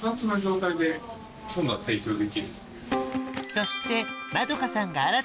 そして＃